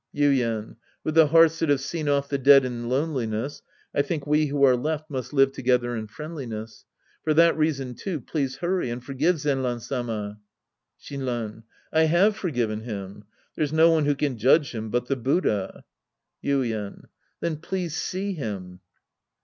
Yuien. With the hearts that have seen off the dead in loneliness, I think we who are left must live together in friendliness. For that reason, too, please hurry and forgive Zenran Sama. Shinran. I have forgiven him. There's no one who can judge him but the Buddha. Yuien. Then please see him.